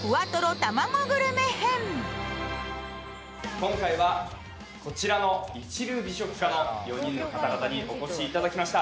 今回はこちらの一流美食家の４人の方々にお越しいただきました。